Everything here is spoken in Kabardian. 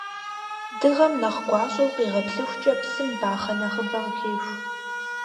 Дыгъэм нэхъ гуащӀэу къигъэплъыхукӀэ, псым бахъэ нэхъыбэ къыхеху.